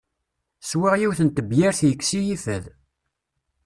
Swiɣ yiwet n tebyirt yekkes-iyi fad.